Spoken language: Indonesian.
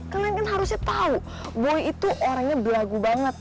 kalian kan harusnya tau boy itu orangnya belagu banget